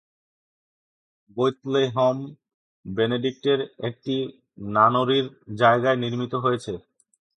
বৈৎলেহম বেনেডিক্টের একটা নানরির জায়গায় নির্মিত হয়েছে।